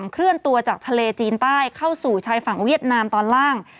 เคลื่อนตัวจากทะเลจีนใต้เข้าสู่ชายฝั่งเวียดนามตอนล่าง